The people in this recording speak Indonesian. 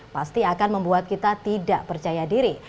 pasti akan membuat kita tidak percaya diri